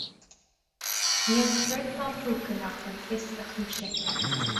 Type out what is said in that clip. Níl sprid ná puca nach bhfuil fios a chúise aige.